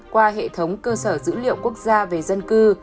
qua hệ thống cơ sở dữ liệu quốc gia về dân cư